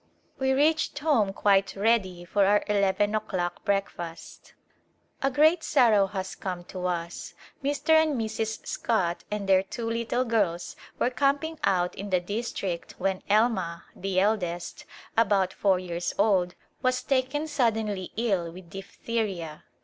We reached home quite ready for our eleven o'clock breakfast. A great sorrow has come to us. Mr. and Mrs. Scott and their two little girls were camping out in the district when Elma, the eldest, about four years old, was taken suddenly ill with diphtheria.